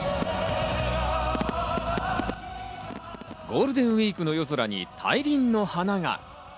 ゴールデンウイークの夜空に大輪の花が。